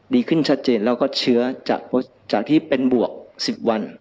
ดีขึ้นชัดเจนแล้วก็เชื้อจากที่เป็นบวก๑๐วัน